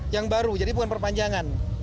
yang baru jadi bukan perpanjangan